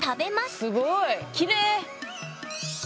すごいきれい。